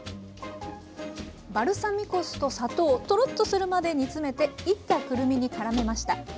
バルサミコ酢と砂糖トロッとするまで煮詰めていったくるみに絡めました。